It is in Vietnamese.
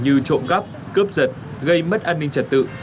các loại hình như trộm cắp cướp giật gây mất an ninh trật tự